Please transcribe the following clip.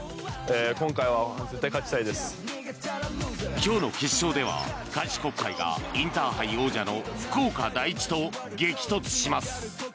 今日の決勝では開志国際がインターハイ王者の福岡第一と激突します。